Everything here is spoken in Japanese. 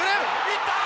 いった！